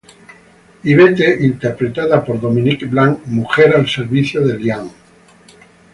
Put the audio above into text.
Yvette, interpretada por Dominique Blanc, mujer al servicio de Eliane.